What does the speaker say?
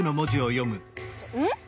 うん？